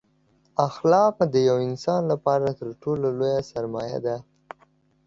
اخلاق دیوه انسان لپاره تر ټولو لویه سرمایه ده